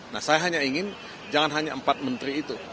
nah saya hanya ingin jangan hanya empat menteri itu